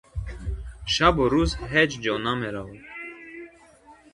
Шабу рўз ҳеҷ ҷо намеравад.